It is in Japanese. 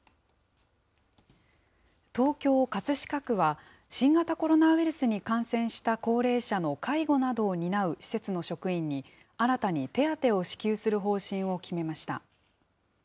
東京・葛飾区は、新型コロナウイルスに感染した高齢者の介護などを担う施設の職員に、新たに手当を支給する方針を決めました。